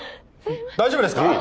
大丈夫ですか？